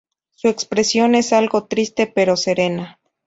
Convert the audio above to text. Su expresión es algo triste, pero serena.